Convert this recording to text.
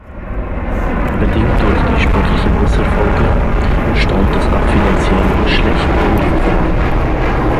Bedingt durch die sportlichen Misserfolge stand es auch finanziell schlecht um den Verein.